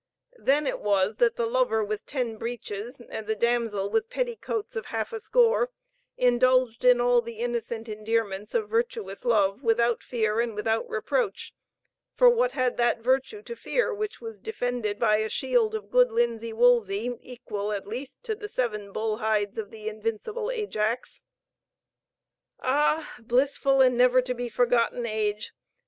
Then it was that the lover with ten breeches, and the damsel with petticoats of half a score, indulged in all the innocent endearments of virtuous love without fear and without reproach; for what had that virtue to fear which was defended by a shield of good linsey woolsey, equal at least to the seven bull hides of the invincible Ajax? Ah! blissful and never to be forgotten age!